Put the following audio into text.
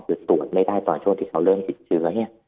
คือตรวจไม่ได้ตอนช่วงที่เขาเริ่มติดเชื้อเนี่ย